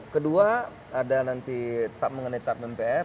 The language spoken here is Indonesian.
kedua ada nanti mengenai tap mpr